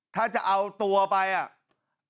ถ้าจะเอาตัวไปอ่ะ